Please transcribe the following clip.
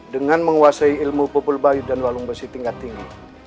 dengan menguasai ilmu pupul bayi dan walung besi tingkat tinggi